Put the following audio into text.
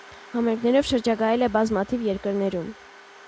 Համերգներով շրջագայել է բազմաթիվ երկրներում։